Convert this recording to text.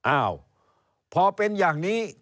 อ้าวพอเป็นอย่างนี้